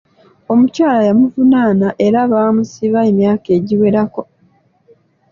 Omukyala yamuvunaana era baamusiba emyaka egiwerako.